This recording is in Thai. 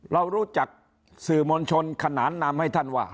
เรารู้จักสื่อมวลชนขนานนามให้ท่านว่า